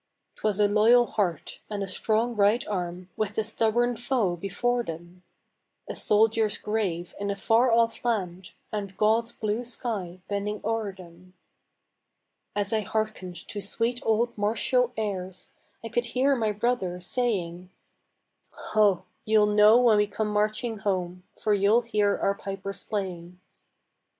'Twas a loyal heart, and a strong right arm, With a stubborn foe before them; A soldier's grave in a far off land, And God's blue sky bending o'er them. As I hearkened to sweet old martial airs I could hear my brother saying: "Ho! you'll know when we come marching home, For you'll hear our pipers playing."